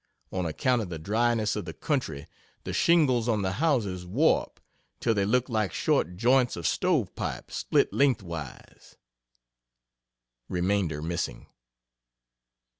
On account of the dryness of the country, the shingles on the houses warp till they look like short joints of stove pipe split lengthwise. (Remainder missing.)